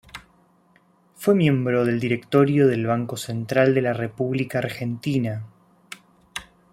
Fue miembro del directorio del Banco Central de la República Argentina.